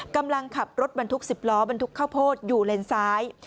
กำลังขับรถบรรทุก๑๐ล้อบรรทุกข้าวโพดอยู่เลนซ้าย